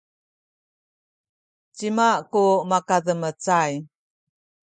cima ku makademecay?